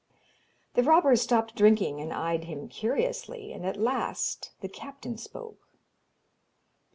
The robbers stopped drinking and eyed him curiously, and at last the captain spoke.